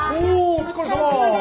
お疲れさまです。